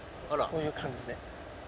こういう感じで。